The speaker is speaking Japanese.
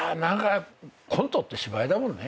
コントって芝居だもんね。